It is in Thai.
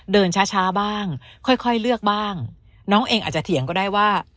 เดินช้าช้าบ้างค่อยค่อยเลือกบ้างน้องเองอาจจะเถียงก็ได้ว่า